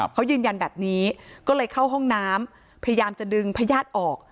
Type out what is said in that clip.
เขายืนยันแบบนี้ก็เลยเข้าห้องน้ำพยายามจะดึงพญาติออก